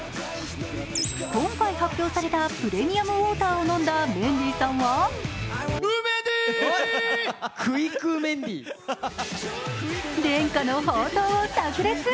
今回発表されたプレミアムウォーターを飲んだメンディーさんは伝家の宝刀をさく裂。